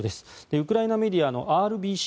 ウクライナメディアのＲＢＣ